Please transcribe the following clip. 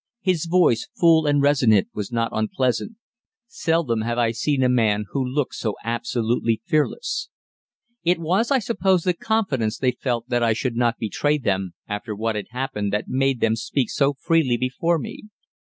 His voice, full and resonant, was not unpleasant. Seldom have I seen a man who looked so absolutely fearless. It was, I suppose, the confidence they felt that I should not betray them after what had happened that made them speak so freely before me.